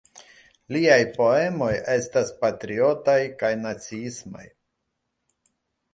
Liaj poemoj estas patriotaj kaj naciismaj.